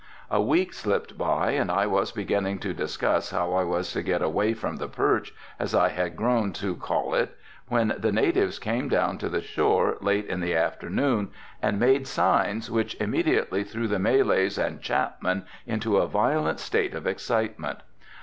A week slipped by and I was beginning to discuss how I was to get away from the perch, as I had grown to call it, when the natives came down to the shore, late in the afternoon and made signs, which immediately threw the Malays and Chapman into a violent state of excitement.